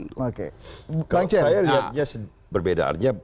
kalau saya lihatnya berbeda